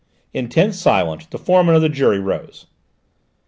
In tense silence the foreman of the jury rose.